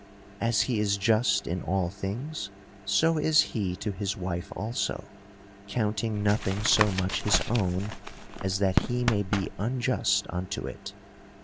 As he is just in all things, so is he to his wife also; counting nothing so much his own, as that he may be unjust unto it.